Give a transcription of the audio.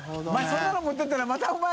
そんなの持ってったらまたお前。